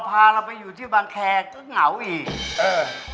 พาเราไปอยู่ที่บางแขกก็เหงาอีก